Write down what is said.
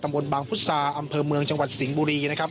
ตำบลบางพุทธศาสตร์อำเภอเมืองจังหวัดสิงห์บุรี